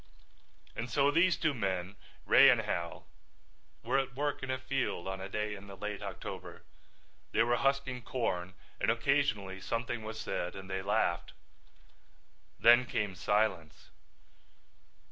And so these two men, Ray and Hal, were at work in a field on a day in the late October. They were husking corn and occasionally something was said and they laughed. Then came silence.